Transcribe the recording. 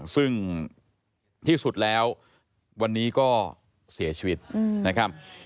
ซึ่งที่สุดแล้ววันนี้ก็เสียชีวิตนะครับ